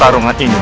aku akan menang